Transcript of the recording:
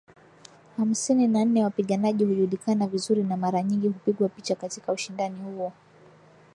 hamsini na nne Wapiganaji hujulikana vizuri na mara nyingi hupigwa picha katika ushindani huo